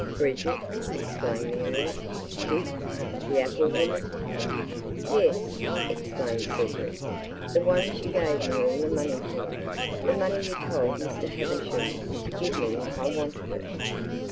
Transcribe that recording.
"Bridget!" exclaimed the Earl. "Dick! The apple woman!" "Yes!" explained Cedric; "the ones you gave me all that money for the money you told Mr. Havisham to give me if I wanted it."